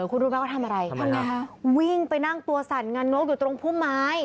คุณรู้ไหมเขาทำอะไรทำไงฮะวิ่งไปนั่งตัวสั่นงานนกอยู่ตรงพุ่มไม้